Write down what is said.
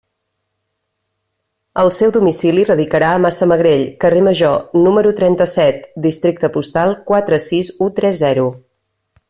El seu domicili radicarà a Massamagrell, carrer Major, número trenta-set, districte postal quatre sis u tres zero.